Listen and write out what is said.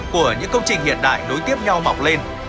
của những công trình hiện đại đối tiếp nhau mọc lên